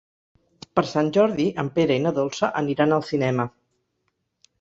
Per Sant Jordi en Pere i na Dolça aniran al cinema.